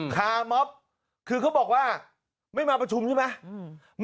คาร์มอบคือเขาบอกว่าไม่มาประชุมใช่ไหม